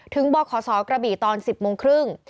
ถึงบอกขอซ้อกระบี่ตอน๑๐โมงครึ่ง